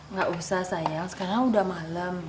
nggak usah sayang sekarang udah malam